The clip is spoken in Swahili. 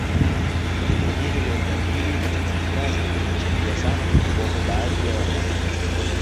Vitendo hivyo vya ujangili katika hifadhi vinacahangia sana kupungua kwa baadhi ya wanyama